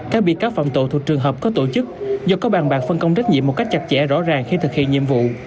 các bị cáo phạm tội thuộc trường hợp có tổ chức do có bàn bạc phân công trách nhiệm một cách chặt chẽ rõ ràng khi thực hiện nhiệm vụ